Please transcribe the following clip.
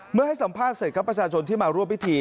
ให้สัมภาษณ์เสร็จครับประชาชนที่มาร่วมพิธี